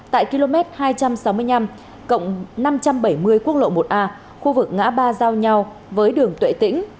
tại km hai trăm sáu mươi năm năm trăm bảy mươi quốc lộ một a khu vực ngã ba giao nhau với đường tuệ tĩnh